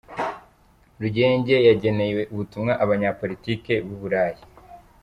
Rugege yageneye ubutumwa Abanyapolitiki b’u Burayi.